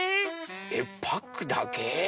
えっパックだけ？